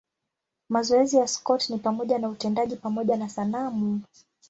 Mazoezi ya Scott ni pamoja na utendaji pamoja na sanamu.